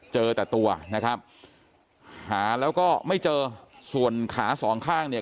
เจอแต่ตัวนะครับหาแล้วก็ไม่เจอส่วนขาสองข้างเนี่ย